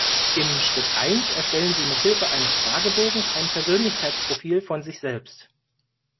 In Schritt eins erstellen Sie mithilfe eines Fragebogens ein Persönlichkeitsprofil von sich selbst.